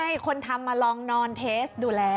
แล้วนี่ไงคนทำมาลองนอนเทสต์ดูแล้ว